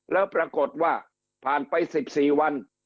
แล้วปรากฏว่าผ่านไป๑๔วัน